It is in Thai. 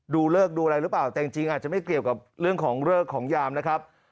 ดูเลิกดูอะไรหรือเปล่าแต่จริงอาจจะไม่เกี่ยวกับเรื่องของเลิกของยามนะครับ